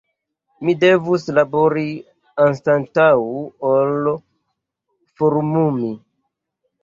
Mi devus labori anstataŭ ol forumumi.